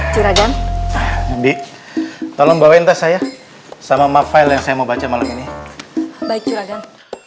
curagan nanti tolong bawain tas saya sama marfale yang saya mau baca malam ini baik curagan